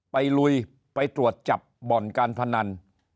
ลุยไปตรวจจับบ่อนการพนัน